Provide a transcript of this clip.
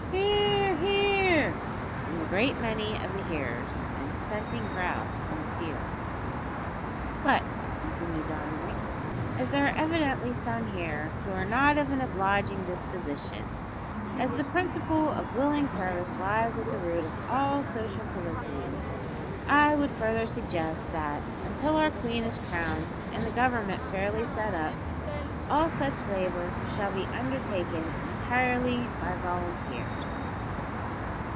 (Hear, hear, from a great many of the hearers, and dissenting growls from a few.) "But," continued Dominick, "as there are evidently some here who are not of an obliging disposition, and as the principle of willing service lies at the root of all social felicity, I would further suggest that, until our Queen is crowned and the Government fairly set up, all such labour shall be undertaken entirely by volunteers."